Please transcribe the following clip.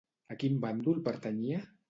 A quin bàndol pertanyia?